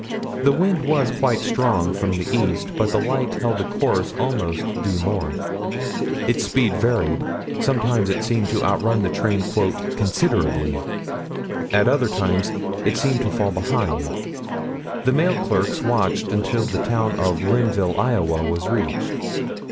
The wind was quite strong from the east, but the light held a course almost due north. Its speed varied. Sometimes it seemed to outrun the train "considerably." At other times it seemed to fall behind. The mail clerks watched until the town of Linville, Iowa, was reached.